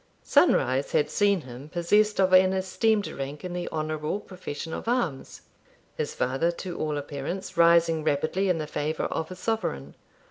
Sunrise had seen him possessed of an esteemed rank in the honourable profession of arms, his father to all appearance rapidly rising in the favour of his sovereign.